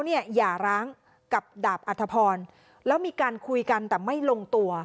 อย่าร้างกับดาบอัธพรแล้วมีการคุยกันแต่ไม่ลงตัว